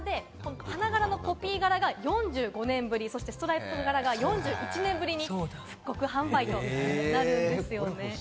花柄のポピー柄が４５年ぶり、ストライプ柄が４１年ぶりに復刻販売となるんですよね。